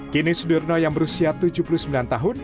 kini sudirno yang berusia tujuh puluh sembilan tahun